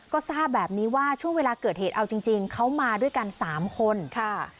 ก็ทราบแบบนี้ว่าช่วงเวลาเกิดเหตุเอาจริงจริงเขามาด้วยกันสามคนค่ะ